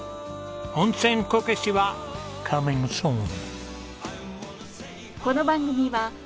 温泉こけしはカミングスーン！